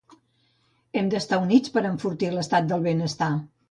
Hem d’estar units per enfortir l’estat del benestar.